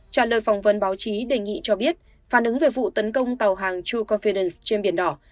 trả lời phỏng vấn báo chí đề nghị cho biết phản ứng về vụ tấn công tàu hàng troe confidence trên biển đỏ